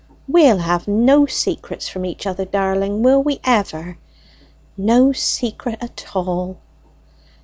We'll have no secrets from each other, darling, will we ever? no secret at all."